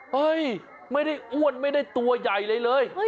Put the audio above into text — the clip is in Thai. เฮ้ยไม่ได้อ้วนไม่ได้ตัวใหญ่อะไรเลย